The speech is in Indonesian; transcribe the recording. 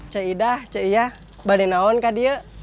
cak ida cak ia bani naon kak diek